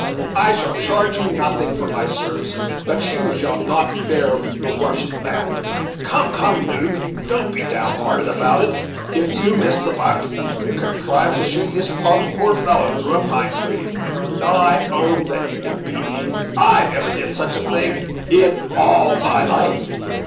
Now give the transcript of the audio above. I shall charge you nothing for my services, but you shall not fare the worst for that. Come, come, 'Duke, don't be down hearted about it; if you missed the buck, you contrived to shoot this poor fellow through a pine tree. Now I own that you have beat me; I never did such a thing in all my life."